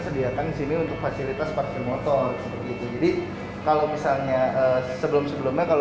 sediakan disini untuk fasilitas parkir motor seperti itu jadi kalau misalnya sebelum sebelumnya kalau